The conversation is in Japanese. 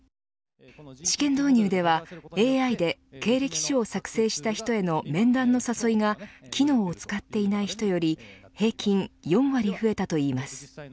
試験導入ではＡＩで経歴書を作成した人の面談の誘いが機能を使っていない人より平均４割増えたといいます。